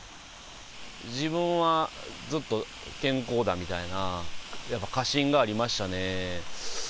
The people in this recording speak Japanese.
自分はずっと健康だみたいな、やっぱ過信がありましたね。